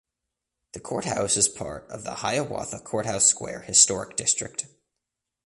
The courthouse is part of the Hiawatha Courthouse Square Historic District.